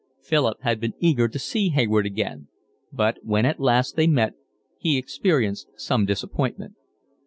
Philip had been eager to see Hayward again, but when at last they met, he experienced some disappointment.